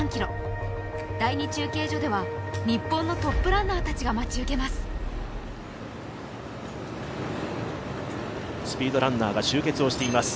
第２中継所では日本のトップランナーたちが待ち受けます。